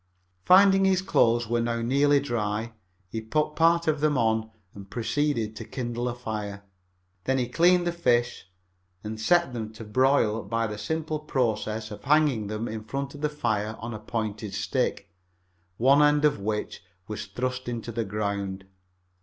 Finding his clothes were now nearly dry, he put part of them on and proceeded to kindle a fire. Then he cleaned the fish and set them to broil by the simple process of hanging them in front of the fire on a pointed stick, one end of which was thrust into the ground.